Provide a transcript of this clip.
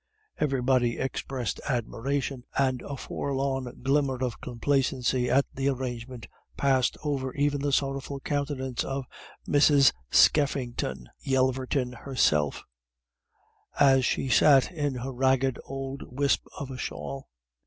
Everybody expressed admiration, and a forlorn glimmer of complacency at the arrangement passed over even the sorrowful countenance of Mrs. Skeffington Yelverton herself, as she sat in her ragged old wisp of a shawl.